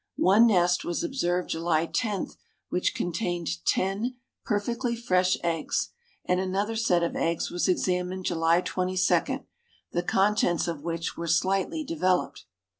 One nest was observed July 10 which contained ten perfectly fresh eggs, and another set of eggs was examined July 22, the contents of which were slightly developed.